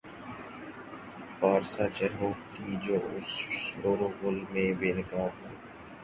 پارسا چہروں کی جو اس شوروغل میں بے نقاب ہوئی۔